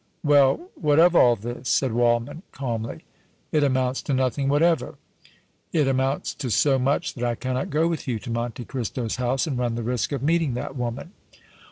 "Well, what of all this?" said Waldmann, calmly. "It amounts to nothing whatever." "It amounts to so much that I cannot go with you to Monte Cristo's house and run the risk of meeting that woman!"